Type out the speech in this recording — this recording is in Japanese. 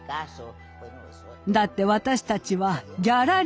だって私たちはギャラリーテオ。